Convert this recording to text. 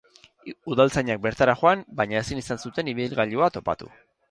Udaltzainak bertara joan, baina ezin izan zuten ibilgailua topatu.